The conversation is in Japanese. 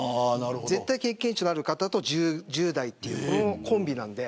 絶対、経験値のある方と１０代というコンビなので。